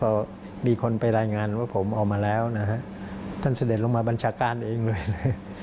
พอมีคนไปรายงานว่าผมเอามาแล้วนะครับท่านเสด็จลงมาบัญชาการเองเลยนะครับ